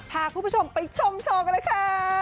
พาคุณผู้ชมไปชมโชว์กันเลยค่ะ